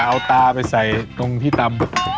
เอาตาไปใส่ตรงที่ตำ